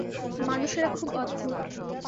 মানুষেরা খুব অদ্ভূত।